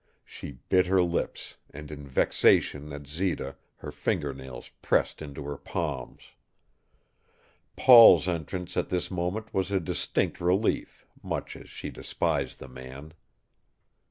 She bit her lips, and in vexation at Zita her finger nails pressed into her palms. Paul's entrance at this moment was a distinct relief, much as she despised the man.